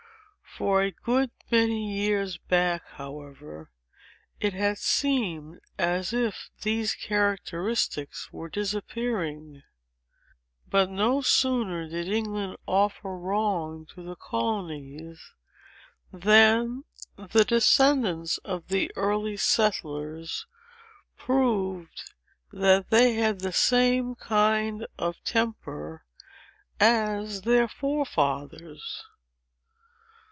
For a good many years back, however, it had seemed as if these characteristics were disappearing. But no sooner did England offer wrong to the colonies, than the descendants of the early settlers proved that they had the same kind of temper as their forefathers.